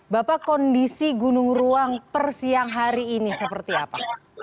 bapak kondisi gunung ruang persiang hari ini seperti apa